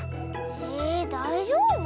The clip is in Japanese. えだいじょうぶ？